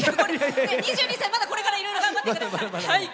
２２歳、まだまだこれから頑張ってください！